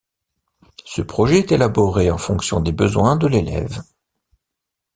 Ce projet est élaboré en fonction des besoins de l'élève.